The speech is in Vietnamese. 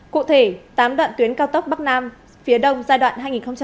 cụ thể tám đoạn tuyến cao tốc bắc nam phía đông giai đoạn hai nghìn một mươi sáu hai nghìn hai mươi năm